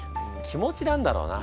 気持ちなんだろうな。